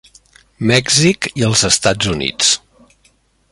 Mèxic i els Estats Units.